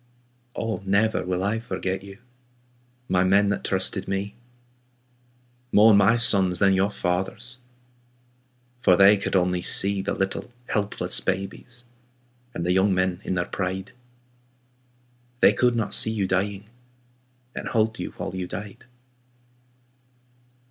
Oh, never will I forget you, My men that trusted me. More my sons than your fathers'. For they could only see The little helpless babies And the young men in their pride. They could not see you dying. And hold you while you died.